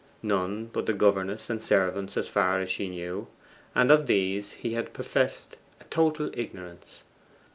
None but the governess and servants, as far as she knew, and of these he had professed a total ignorance.